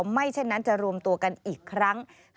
ไม่เช่นนั้นจะรวมตัวกันอีกครั้ง